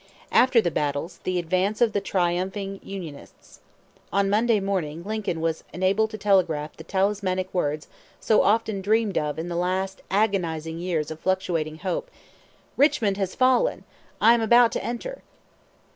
After the battles, the advance of the triumphing Unionists. On Monday morning Lincoln was enabled to telegraph the talismanic words so often dreamed of in the last agonizing years of fluctuating hope: "Richmond has fallen! I am about to enter!"